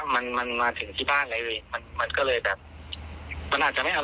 มันยังไม่เป็นไรมันยังไม่เป็นไรครับพี่